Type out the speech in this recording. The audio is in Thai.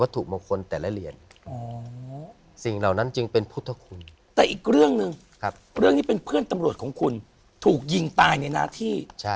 ถูกยิงตายในหน้าที่